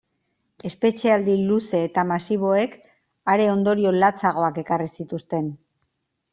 Espetxealdi luze eta masiboek are ondorio latzagoak ekarri zituzten.